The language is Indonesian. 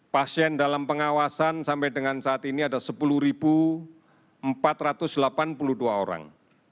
pasien dalam pengawasan sampai dengan saat ini ada sepuluh empat ratus delapan puluh dua orang